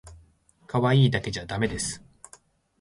かわいいだけじゃだめです